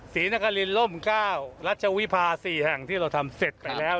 ศรีนครินล่ม๙รัชวิภา๔แห่งที่เราทำเสร็จไปแล้ว